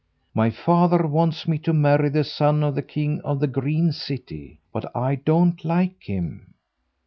My father wants me to marry the son of the king of the Green City, but I don't like him."